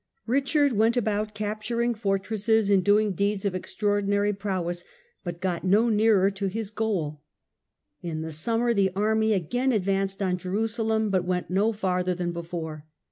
Richard went about capturing fortresses and doing deeds of extraordinary prowess, but got no nearer to his goal. In the summer the army again advanced on Jerusalem, but went no farther than before.